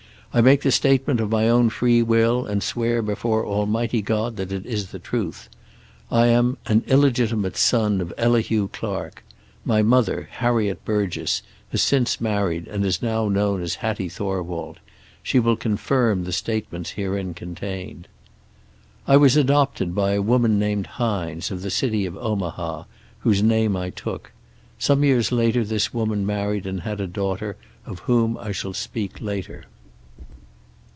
I make the statement of my own free will, and swear before Almighty God that it is the truth. I am an illegitimate son of Elihu Clark. My mother, Harriet Burgess, has since married and is now known as Hattie Thorwald. She will confirm the statements herein contained. "I was adopted by a woman named Hines, of the city of Omaha, whose name I took. Some years later this woman married and had a daughter, of whom I shall speak later.